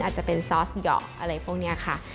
อาจจะเป็นซอสหยอกอะไรพวกนี้ค่ะ